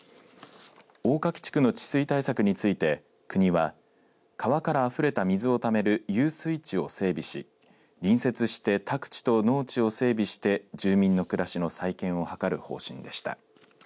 大柿地区の治水対策について国は川からあふれた水をためる遊水地を整備し隣接して宅地と農地を整備して住民の暮らしの再建を図る方針でした。